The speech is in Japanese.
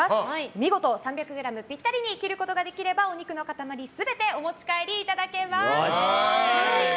見事３００ｇピッタリに切ることができれば、お肉の塊全てお持ち帰りいただけます。